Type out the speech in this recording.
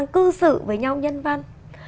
cư xử với nhau nhân văn